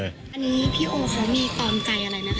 อันนี้พี่โอเค้ามีตอนใจอะไรนะคะ